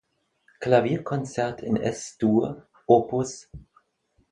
Klavierkonzert in Es-Dur, Op.